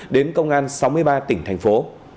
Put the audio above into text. đến công an sáu mươi ba tỉnh thành phố